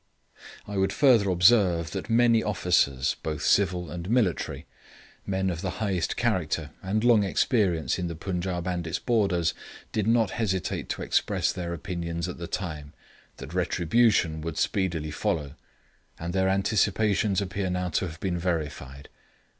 I would further observe that many officers, both civil and military, men of the highest character and long experience in the Punjaub and its borders, did not hesitate to express their opinions at the time, that retribution would speedily follow; and their anticipations appear now to have been verified.